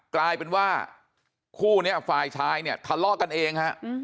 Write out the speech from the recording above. กลายเป็นว่าคู่นี้ฝ่ายชายเนี่ยทะเลาะกันเองฮะ